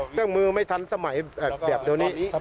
เครื่องมือไม่ทันสมัยแบบเดี๋ยวนี้